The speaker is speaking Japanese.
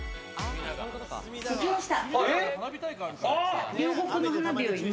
できました。